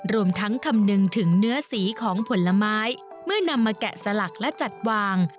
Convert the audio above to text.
รวมทั้งคำนึงถึงเนื้อสีของผลไม้เมื่อนำมาแกะสลักและจัดวาง